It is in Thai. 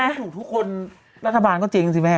เอาไม่ถูกทุกคนรัฐบาลก็จริงสิแม่